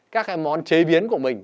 các cái món chế biến của mình